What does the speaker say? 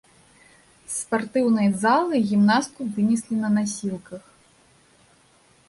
З спартыўнай залы гімнастку вынеслі на насілках.